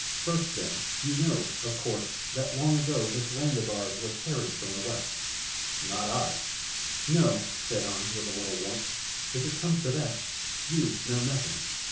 "First, then, you know, of course, that long ago this land of ours was harried from the West." "Not I." "No!" said An, with a little warmth. "If it comes to that, you know nothing."